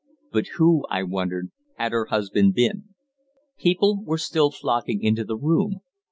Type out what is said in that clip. But who, I wondered, had her husband been? People were still flocking into the room.